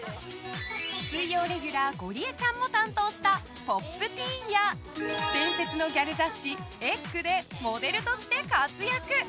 水曜レギュラーゴリエちゃんも担当した「Ｐｏｐｔｅｅｎ」や伝説のギャル雑誌「ｅｇｇ」でモデルとして活躍。